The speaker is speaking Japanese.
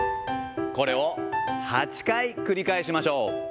これを８回繰り返しましょう。